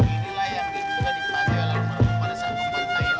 ini layar yang dikemarin pada saat kemarin